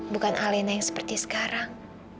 bukan alena yang seperti sekarang